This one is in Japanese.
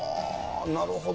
なるほど。